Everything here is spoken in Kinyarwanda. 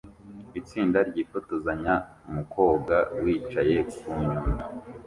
Itsinda ryifotozanya mu koga wicaye ku nyundo